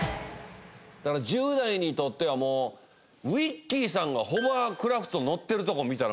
１０代にとってはもうウィッキーさんがホーバークラフトに乗ってるとこ見たら。